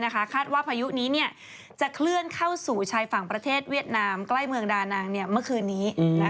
คาดว่าพายุนี้จะเคลื่อนเข้าสู่ชายฝั่งประเทศเวียดนามใกล้เมืองดานางเมื่อคืนนี้